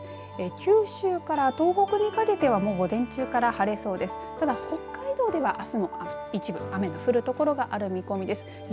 九州から東北にかけてはもう午前中から晴れそうです。